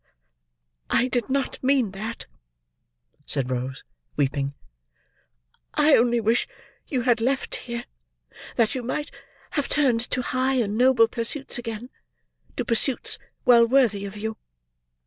"I did not mean that," said Rose, weeping; "I only wish you had left here, that you might have turned to high and noble pursuits again; to pursuits well worthy of you."